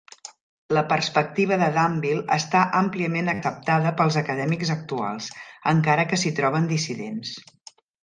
La perspectiva de Dumville està àmpliament acceptada pels acadèmics actuals, encara que s'hi troben dissidents.